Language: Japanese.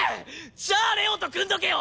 じゃあ玲王と組んどけよ！